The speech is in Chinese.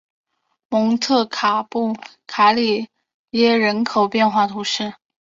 蒙特卡布里耶人口变化图示